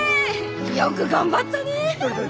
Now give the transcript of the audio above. よく頑張ったねえ！